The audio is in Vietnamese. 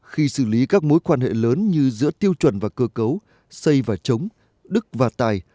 khi xử lý các mối quan hệ lớn như giữa tiêu chuẩn và cơ cấu xây và chống đức và tài